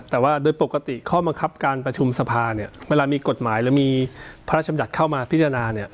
แต่ว่าโดยปกติข้อบังคับการประชุมสภาเนี่ยเวลามีกฎหมายหรือมีพระราชบัญญัติเข้ามาพิจารณา